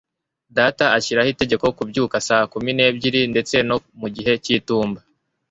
data ashyiraho itegeko kubyuka saa kumi n'ebyiri, ndetse no mu gihe cy'itumba